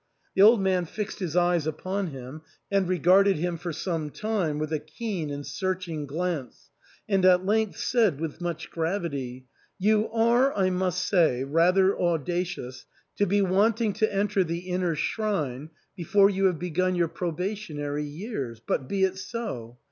The old man fixed his eyes upon him and regarded him for some time with a keen and searching glance, and at length said with much gravity, "You are, I must say, rather audacious to be wanting to enter the inner shrine before you have begun your probationary years. But — be it so